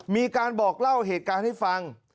มีการบอกเล่าเหตุการณ์ให้ฟัง